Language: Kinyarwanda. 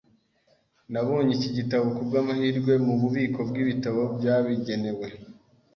Nabonye iki gitabo kubwamahirwe mububiko bwibitabo byabigenewe.